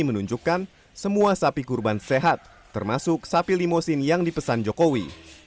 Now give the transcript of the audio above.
menunjukkan semua sapi kurban sehat termasuk sapi limosin yang dipesan jokowi